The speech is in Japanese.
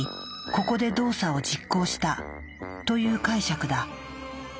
ここで動作を実行したという解釈だ。